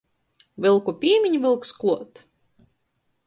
Vylku pīmiņ, vylks kluot!